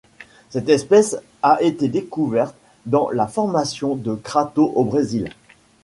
Cette espèce a été découverte dans la formation de Crato au Brésil.